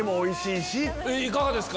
いかがですか？